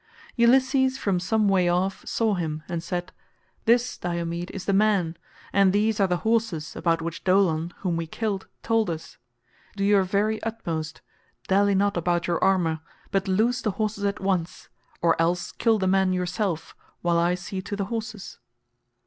Ulysses from some way off saw him and said, "This, Diomed, is the man, and these are the horses about which Dolon whom we killed told us. Do your very utmost; dally not about your armour, but loose the horses at once—or else kill the men yourself, while I see to the horses."